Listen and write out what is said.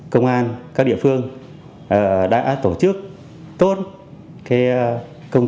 phong trào dân vận khéo đã được tổ chức triển khai ở các đơn vị địa phương